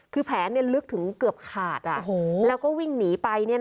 คือแผลลึกถึงเกือบขาดแล้วก็วิ่งหนีไป